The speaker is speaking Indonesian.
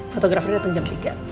fotografernya dateng jam tiga